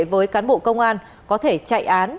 với cán bộ công an có thể chạy án